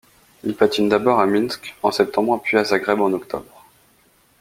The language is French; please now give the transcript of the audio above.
Il patine d'abord à Minsk en septembre puis à Zagreb en octobre.